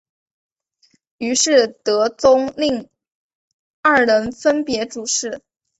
于是德宗令二人分别主事。